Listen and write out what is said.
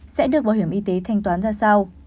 sẽ được bảo hiểm y tế thanh toán ra sao